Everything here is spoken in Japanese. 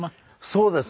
そうですね。